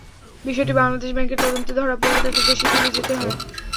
বিষয়টি বাংলাদেশ ব্যাংকের তদন্তে ধরা পড়লে তাঁকে দেশে ফিরে যেতে হয়।